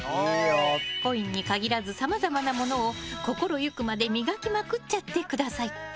コインに限らずさまざまなものを心行くまで磨きまくっちゃってください！